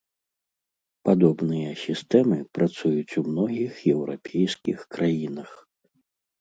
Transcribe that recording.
Падобныя сістэмы працуюць у многіх еўрапейскіх краінах.